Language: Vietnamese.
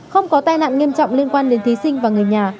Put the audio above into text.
không có tai nạn nghiêm trọng liên quan đến thí sinh và người nhà